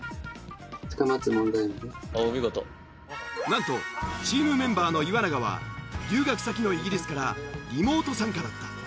なんとチームメンバーの岩永は留学先のイギリスからリモート参加だった。